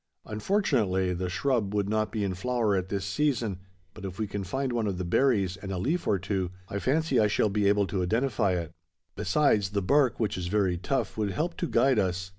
Unfortunately, the shrub would not be in flower at this season; but if we can find one of the berries, and a leaf or two, I fancy I shall be able to identify it. Besides, the bark, which is very tough, would help to guide us.